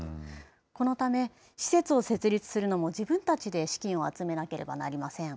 このため、施設を設立するのも、自分たちで資金を集めなければなりません。